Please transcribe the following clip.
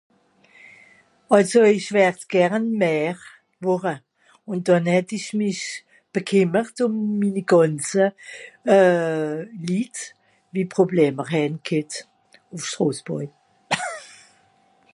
àlso ìsch wert's gern Maire wòre ùn dànn het ìsch mich bekemert ùm minni gànze euh Lìt wie Probleme hähn g'hett ùff Stràsbùri